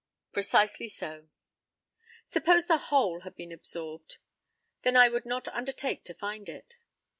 Precisely so. Suppose the whole had been absorbed? Then I would not undertake to find it.